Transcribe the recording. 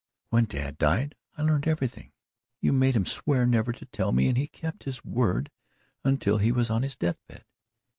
"When dad died, I learned everything. You made him swear never to tell me and he kept his word until he was on his death bed.